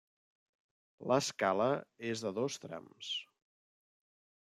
L'escala és de dos trams.